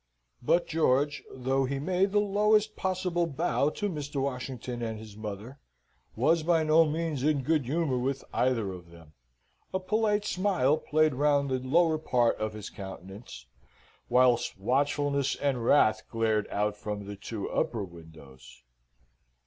But George, though he made the lowest possible bow to Mr. Washington and his mother, was by no means in good humour with either of them. A polite smile played round the lower part of his countenance, whilst watchfulness and wrath glared out from the two upper windows.